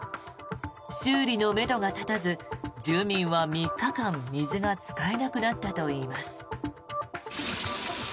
修理のめどが立たず住民は３日間水が使えなくなったといいます。